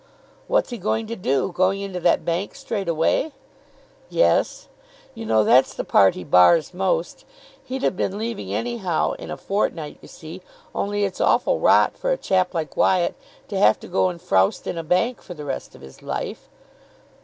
"What's he going to do? Going into that bank straight away?" "Yes. You know, that's the part he bars most. He'd have been leaving anyhow in a fortnight, you see; only it's awful rot for a chap like Wyatt to have to go and froust in a bank for the rest of his life."